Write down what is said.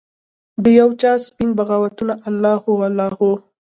د یوچا سپین بغاوته الله هو، الله هو